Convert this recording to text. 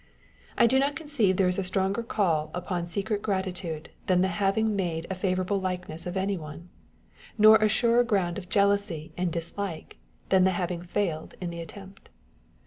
I do not conceive there is a stronger call upon secret gratitude than the having made a favourable likeness of anyone ; nor a surer ground of jealousy and dislike than the having failed in the attempt.